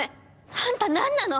あんた何なの！